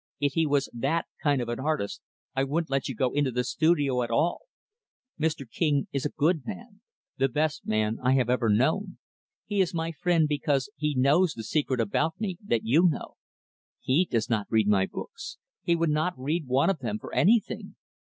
If he was that kind of an artist, I wouldn't let you go into the studio at all. Mr. King is a good man the best man I have ever known. He is my friend because he knows the secret about me that you know. He does not read my books. He would not read one of them for anything.